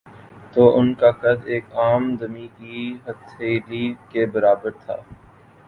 تو ان کا قد ایک عام دمی کی ہتھیلی کے برابر تھا